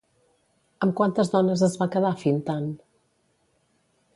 Amb quantes dones es va quedar Fintan?